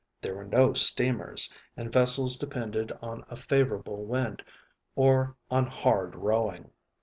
There were no steamers, and vessels depended on a favorable wind or on hard rowing.